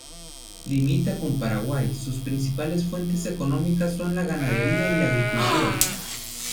Limita con Paraguay, sus principales fuentes económicas son la ganadería y la agricultura.